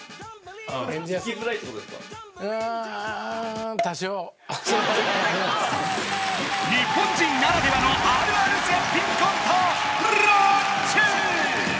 うん日本人ならではのあるある絶品コント